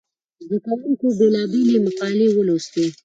زده کوونکو بېلابېلې مقالې ولوستې.